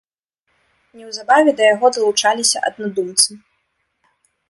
Неўзабаве да яго далучаліся аднадумцы.